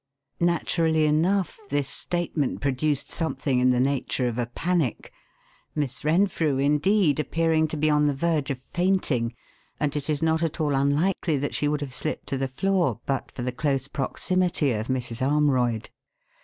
Naturally enough, this statement produced something in the nature of a panic; Miss Renfrew, indeed, appearing to be on the verge of fainting, and it is not at all unlikely that she would have slipped to the floor but for the close proximity of Mrs. Armroyd.